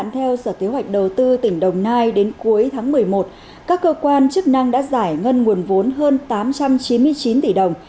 theo sở kế hoạch đầu tư tỉnh đồng nai đến cuối tháng một mươi một các cơ quan chức năng đã giải ngân nguồn vốn hơn tám trăm chín mươi chín tỷ đồng